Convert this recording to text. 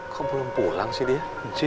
kok belum pulang sih dia